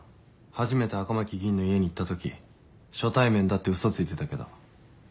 初めて赤巻議員の家に行ったとき初対面だって嘘ついてたけど。